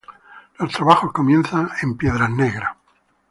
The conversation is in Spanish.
Los trabajos comienzan en Piedras Negras.